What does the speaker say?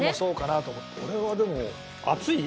俺はでも熱い？